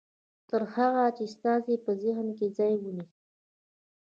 تر هغه چې ستاسې په ذهن کې ځای ونيسي.